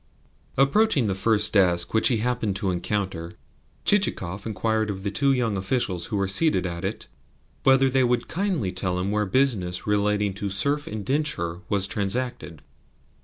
Approaching the first desk which he happened to encounter, Chichikov inquired of the two young officials who were seated at it whether they would kindly tell him where business relating to serf indenture was transacted.